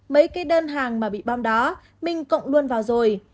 mấy cái đơn hàng mà bị bom đó mình cộng luôn vào rồi